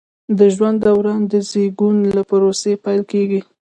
د ژوند دوران د زیږون له پروسې پیل کیږي.